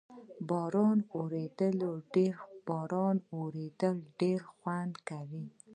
باران ورېدل ډېر خوند کوي